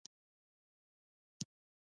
د کلسیم د فلز تعامل هایدروجن ګاز آزادوي.